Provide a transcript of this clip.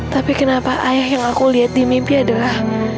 tapi kenapa ayah yang aku lihat di mimpi adalah